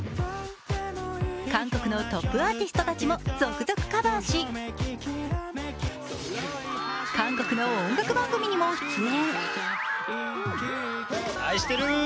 韓国のトップアーティストたちも続々カバーし、韓国の音楽番組にも出演。